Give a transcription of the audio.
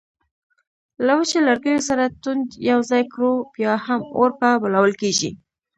که وچو لرګیو سره توند یو ځای کړو بیا هم اور په بلول کیږي